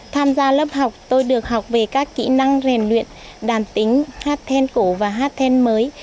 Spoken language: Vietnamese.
tham gia lớp học tôi được học về các kỹ năng rèn luyện đàn tính hát then cổ và hát then mới